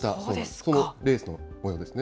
そのレースのもようですね。